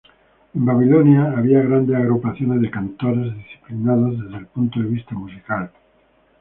En Babilonia, había grandes agrupaciones de cantores disciplinados desde el punto de vista musical.